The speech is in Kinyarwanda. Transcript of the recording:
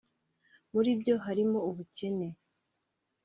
Muri byo harimo ubukene